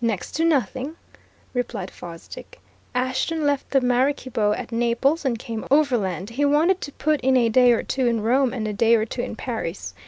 "Next to nothing," replied Fosdick. "Ashton left the Maraquibo at Naples, and came overland he wanted to put in a day or two in Rome and a day or two in Paris.